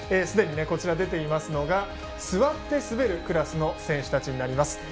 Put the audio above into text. すでにこちらに出ていますが座って滑るクラスの選手たちになります。